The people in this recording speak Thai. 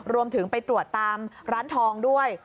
รวมไปถึงไปตรวจตามร้านทองด้วย